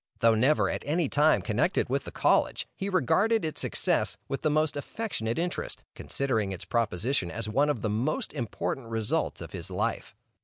Though never at any time connected with the college, he regarded its success with the most affectionate interest, considering its proposition as one of the most important results of his life.